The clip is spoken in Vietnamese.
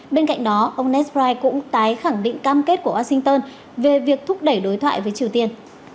bên cạnh đó ông nesprite cũng tái khẳng định cam kết của washington về việc thúc đẩy đối thoại với triều tiên